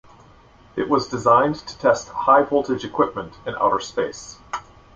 It was designed to test high-voltage equipment in outer space.